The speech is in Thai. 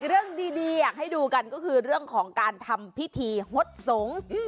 เรื่องดีอยากให้ดูกันก็คือเรื่องของการทำพิธีฮดสงฆ์